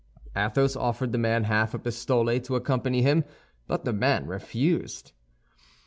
Athos offered the man half a pistole to accompany him, but the man refused.